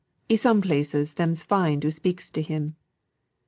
I' some places them's fined who speaks to him.